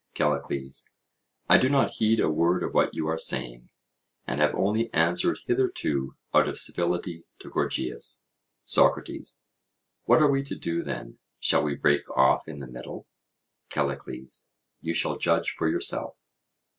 CALLICLES: I do not heed a word of what you are saying, and have only answered hitherto out of civility to Gorgias. SOCRATES: What are we to do, then? Shall we break off in the middle? CALLICLES: You shall judge for yourself.